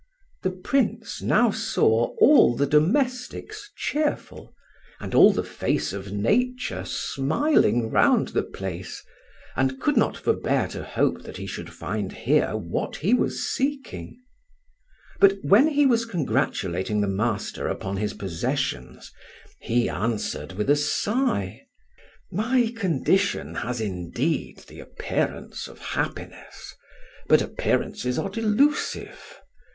The Prince now saw all the domestics cheerful and all the face of nature smiling round the place, and could not forbear to hope that he should find here what he was seeking; but when he was congratulating the master upon his possessions he answered with a sigh, "My condition has indeed the appearance of happiness, but appearances are delusive.